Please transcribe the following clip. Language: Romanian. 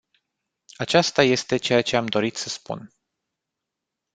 Aceasta este ceea ce am dorit să spun.